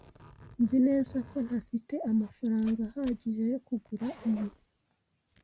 Nzi neza ko ntafite amafaranga ahagije yo kugura ibi.